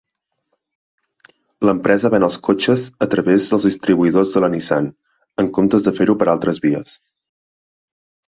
L'empresa ven els cotxes a travès dels distribuïdors de la Nissan en comptes de fer-ho per altres vies.